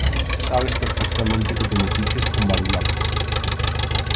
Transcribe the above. Sabes perfectamente que te metiches con badulaques.